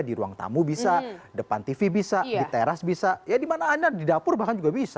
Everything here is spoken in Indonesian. di ruang tamu bisa depan tv bisa di teras bisa ya dimana anda di dapur bahkan juga bisa